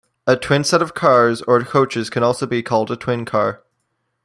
A twinset of cars or coaches can also be called a twin car.